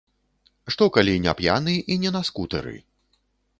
Што калі не п'яны і не на скутэры?